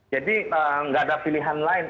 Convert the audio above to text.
jadi nggak ada pilihan lain